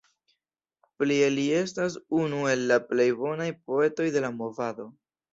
Plie li estas unu el la plej bonaj poetoj de la Movado.